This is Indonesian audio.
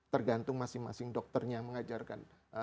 tergantung masing masing dokternya mengajarkan